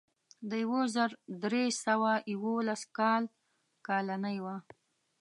د یو زر درې سوه یوولس کال کالنۍ وه.